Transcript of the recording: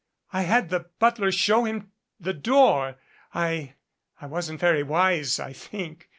I had the butler show him the door. I I wasn't very wise, I think.